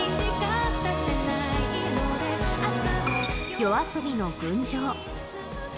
ＹＯＡＳＯＢＩの群青。